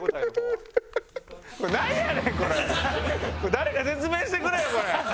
誰か説明してくれよこれ！